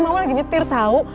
mama lagi nyetir tau